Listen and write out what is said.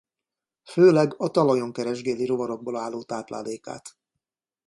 Főleg a talajon keresgéli rovarokból álló táplálékát.